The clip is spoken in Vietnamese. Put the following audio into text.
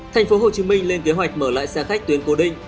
thành phố hồ chí minh lên kế hoạch mở lại xe khách tuyến cố định